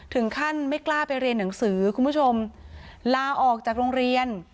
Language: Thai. ถึงขั้นไม่กล้าไปเรียนหนังสือคุณผู้ชมลาออกจากโรงเรียน